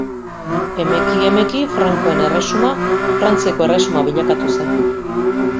Emeki emeki frankoen erresuma Frantziako Erresuma bilakatu zen.